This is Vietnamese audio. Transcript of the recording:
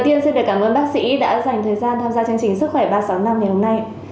cảm ơn các bác sĩ đã dành thời gian tham gia chương trình sức khỏe ba trăm sáu mươi năm ngày hôm nay